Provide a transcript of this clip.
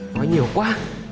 nói nhiều quá